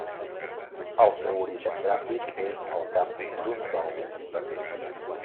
El seu origen gràfic és el cap d'un bou invertit.